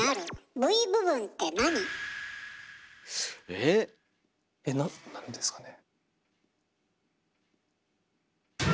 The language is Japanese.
えっ？えなんですかね。